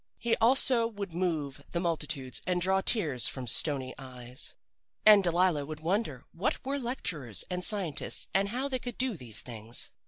He also would move the multitudes and draw tears from stony eyes. "And Delilah would wonder what were lecturers and scientists, and how they could do these things.